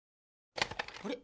あれ？